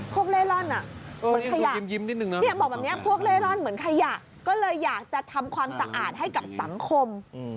พวกเล่ร่อนเหมือนขยะก็เลยอยากจะทำความสะอาดให้กับสังคม